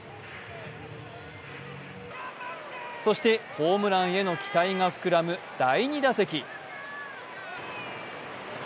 そしてホームランへの期待が膨らむ第２打席。